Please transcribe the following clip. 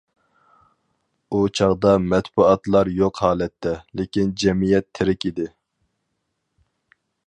ئۇ چاغدا مەتبۇئاتلار يوق ھالەتتە، لېكىن جەمئىيەت تىرىك ئىدى.